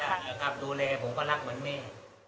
อย่างนี้ครับดูแลผมก็รักเหมือนแม่